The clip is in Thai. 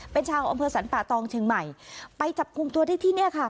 เป็นชาวอำเภอสรรป่าตองเชียงใหม่ไปจับกลุ่มตัวได้ที่เนี่ยค่ะ